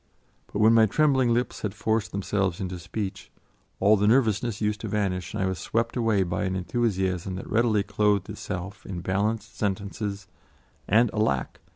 But when my trembling lips had forced themselves into speech, all the nervousness used to vanish and I was swept away by an enthusiasm that readily clothed itself in balanced sentences, and alack!